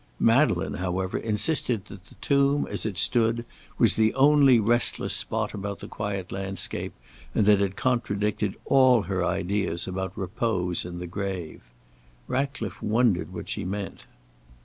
Madeleine, however, insisted that the tomb, as it stood, was the only restless spot about the quiet landscape, and that it contradicted all her ideas about repose in the grave. Ratcliffe wondered what she meant.